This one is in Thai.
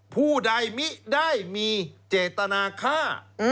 ผู้ใดมิได้มีเจตนาฆ่า